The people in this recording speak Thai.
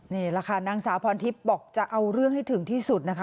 นี่ราคานังสาวพอลทิปบอกจะเอาเรื่องให้ถึงที่สุดนะคะ